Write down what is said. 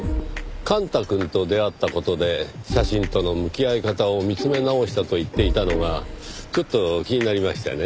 幹太くんと出会った事で写真との向き合い方を見つめ直したと言っていたのがちょっと気になりましてね。